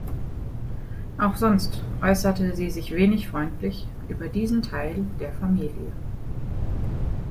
Auch sonst äußerte sie sich wenig freundlich über diesen Teil der Familie.